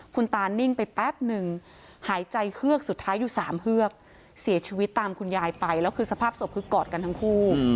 คุณตานิ่งไปแป๊บนึงหายใจเฮือกสุดท้ายอยู่๓เฮือกเสียชีวิตตามคุณยายไปแล้วคือสภาพศพคือกอดกันทั้งคู่